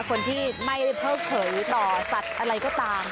คนที่ไม่เพิกเฉยต่อสัตว์อะไรก็ตาม